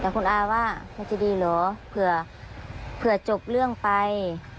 แต่คุณอาว่ามันจะดีเหรอเผื่อจบเรื่องไป